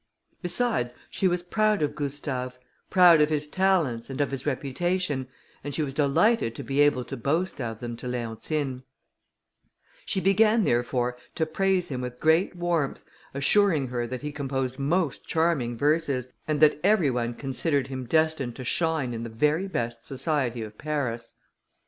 Besides, she was proud of Gustave, proud of his talents, and of his reputation, and she was delighted to be able to boast of them to Leontine; she began, therefore, to praise him with great warmth, assuring her that he composed most charming verses, and that every one considered him destined to shine in the very best society of Paris.